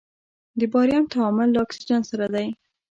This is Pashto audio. د باریم تعامل له اکسیجن سره دی.